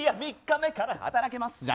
３日目から働けます！